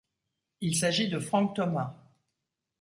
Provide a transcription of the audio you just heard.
Il s'agit de Frank Thomas.